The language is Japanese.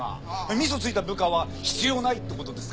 ミソついた部下は必要ないってことですか？